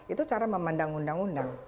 itu cara memandang undang